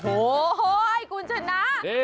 โอ้โหคุณชนะ